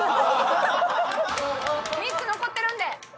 ３つ残ってるんで。